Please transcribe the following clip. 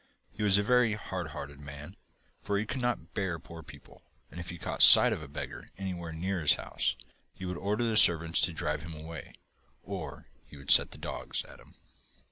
He was a very hard hearted man, for he could not bear poor people, and if he caught sight of a beggar anywhere near his house, he would order the servants to drive him away, or would set the dogs at him.